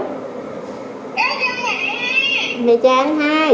mẹ cho mẹ nói chuyện với anh hai